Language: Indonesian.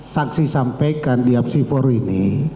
saksi sampaikan di apsifor ini